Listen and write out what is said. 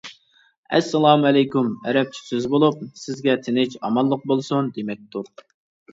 «ئەسسالامۇئەلەيكۇم» ئەرەبچە سۆز بولۇپ، «سىزگە تىنچ-ئامانلىق بولسۇن» دېمەكتۇر.